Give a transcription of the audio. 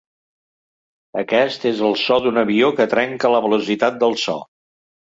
Aquest és el so d'un avió que trenca la velocitat del so.